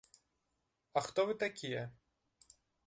А хто вы такія?